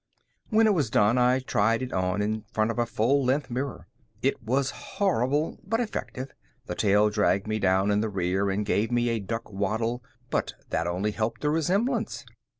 When it was done, I tried it on in front of a full length mirror. It was horrible but effective. The tail dragged me down in the rear and gave me a duck waddle, but that only helped the resemblance.